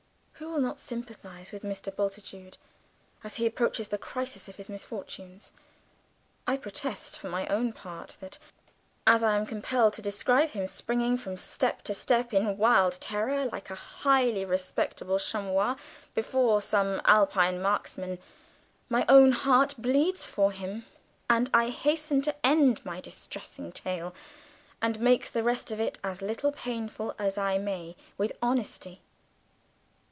Who will not sympathise with Mr. Bultitude as he approaches the crisis of his misfortunes? I protest, for my own part, that as I am compelled to describe him springing from step to step in wild terror, like a highly respectable chamois before some Alpine marksman, my own heart bleeds for him, and I hasten to end my distressing tale, and make the rest of it as little painful as I may with honesty.